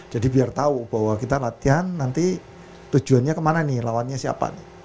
jadi biar tau bahwa kita latihan nanti tujuannya kemana nih lawannya siapa nih